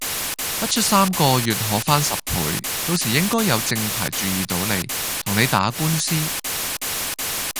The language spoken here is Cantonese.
不出三個月可翻十倍，到時應該有正牌注意到你，同你打官司